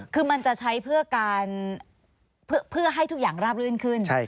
คือมันจะใช้เพื่อให้ทุกอย่างราบรื่นขึ้น